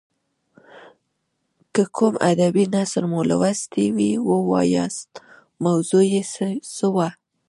که کوم ادبي نثر مو لوستی وي ووایاست موضوع یې څه وه.